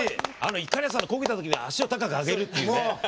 いかりやさんがこけた時に足を高く上げるっていうね。